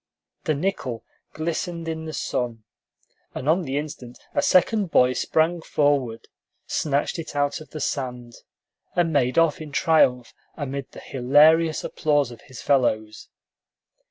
The nickel glistened in the sun, and on the instant a second boy sprang forward, snatched it out of the sand, and made off in triumph amid the hilarious applause of his fellows.